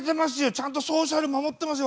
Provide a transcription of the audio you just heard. ちゃんとソーシャル守ってますよ